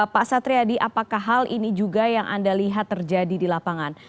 pak satriadi apakah hal ini juga yang anda lihat terjadi di lapangan